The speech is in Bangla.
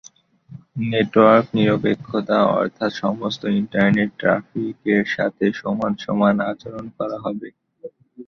নেটওয়ার্ক নিরপেক্ষতা অর্থাৎ সমস্ত ইন্টারনেট ট্রাফিকের সাথে সমান সমান আচরণ করা হবে।